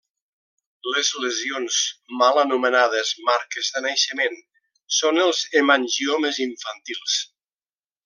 Les lesions mal anomenades marques de naixement són els hemangiomes infantils.